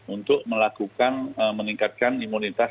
untuk melakukan meningkatkan imunitas